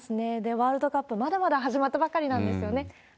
ワールドカップ、まだまだ始まったばかりなんですよね。